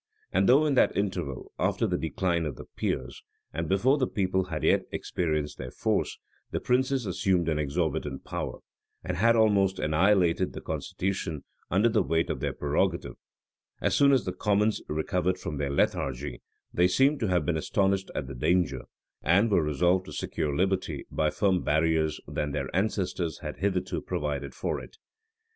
And though in that interval, after the decline of the peers, and before the people had yet experienced their force, the princes assumed an exorbitant power, and had almost annihilated the constitution under the weight of their prerogative; as soon as the commons recovered from their lethargy, they seem to have been astonished at the danger, and were resolved to secure liberty by firmer barriers than their ancestors had hitherto provided for it.